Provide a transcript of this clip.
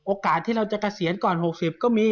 โอกาสที่เราจะกระเสียนก่อน๖๐ก็มี